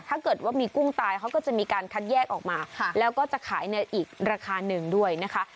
ถ้าเกิดว่ามีกุ้งตายเขาก็จะมีการคัดแยกออกมาแล้วก็จะขายในอีกราคาหนึ่งด้วยนะคะ